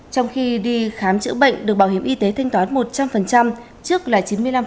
trong khi đi khám chữa bệnh được bảo hiểm y tế thanh toán một trăm linh trước là chín mươi năm